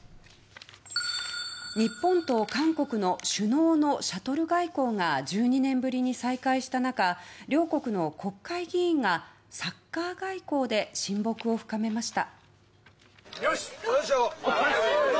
日本と韓国の首脳のシャトル外交が１２年ぶりに再開した中両国の国会議員がサッカー外交で親睦を深めました。